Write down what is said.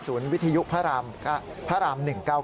ศูนย์วิทยุพระราม๑๙๙